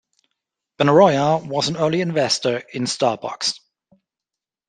Benaroya was an early investor in Starbucks.